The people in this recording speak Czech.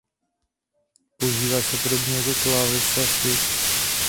Používá se podobně jako klávesa Shift.